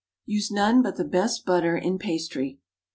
Use none but the best butter in pastry.